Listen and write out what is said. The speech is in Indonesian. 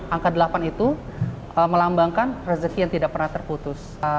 angka delapan itu melambangkan rezeki yang tidak pernah terputus